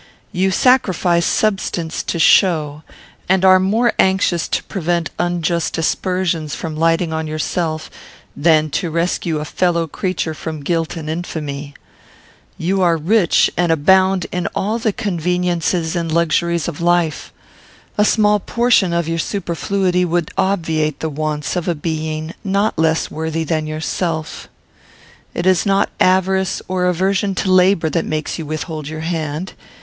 You sacrifice substance to show, and are more anxious to prevent unjust aspersions from lighting on yourself, than to rescue a fellow creature from guilt and infamy. "You are rich, and abound in all the conveniences and luxuries of life. A small portion of your superfluity would obviate the wants of a being not less worthy than yourself. It is not avarice or aversion to labour that makes you withhold your hand.